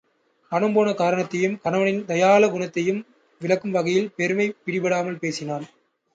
பணம் போன காரணத்தையும், கணவனின் தயாள குணத்தையும் விளக்கும் வகையில் பெருமை பிடிபடாமல் பேசினாள்.